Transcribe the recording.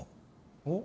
おっ？